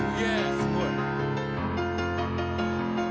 すごい！